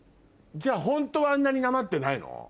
じゃホントはあんなになまってないの？